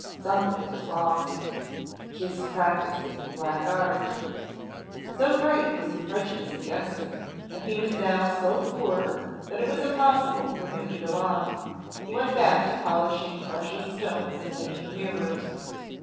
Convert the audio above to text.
"Something is wrong." "He is prac ticing the Black Art." So great was the prejudice against him, and he was now so poor, that it was impossible for him to go on. He went back to polishing precious stones and making mirrors.